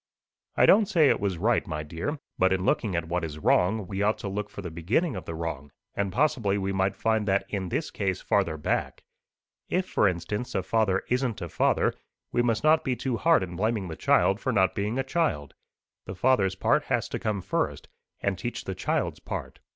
"I don't say it was right, my dear. But in looking at what is wrong, we ought to look for the beginning of the wrong; and possibly we might find that in this case farther back. If, for instance, a father isn't a father, we must not be too hard in blaming the child for not being a child. The father's part has to come first, and teach the child's part.